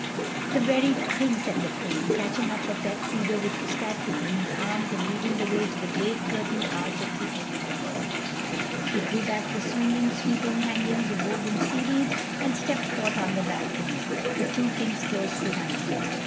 "The very thing," said the Queen, catching up her pet Fido which was Cathay in her arms and leading the way to the great curtained arch at the end of the hall. She drew back the swinging, sweeping hangings of woven seaweed and stepped forth on the balcony—the two Kings close behind her.